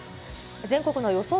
全国の予想